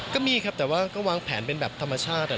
ก็มีครับแต่ว่าก็วางแผนเป็นแบบธรรมชาติ